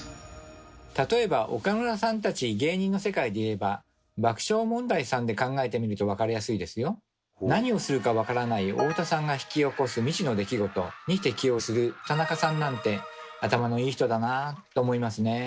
例えば岡村さんたち何をするかわからない太田さんが引き起こす「未知の出来事」に適応する田中さんなんて頭のいい人だなぁと思いますね。